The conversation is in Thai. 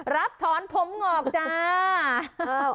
รับถอนผมงอกจ้า